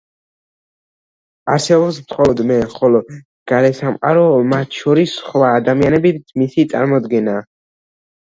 არსებობს მხოლოდ „მე“, ხოლო გარესამყარო, მათ შორის სხვა ადამიანებიც, მისი წარმოდგენაა.